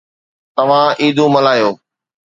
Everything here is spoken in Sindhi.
توهان عيدون ملهايو